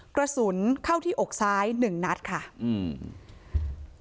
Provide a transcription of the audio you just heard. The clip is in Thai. กระสุนเข้าที่อกซ้ายหนึ่งนัดค่ะอืม